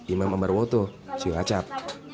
imam ambar woto syiracat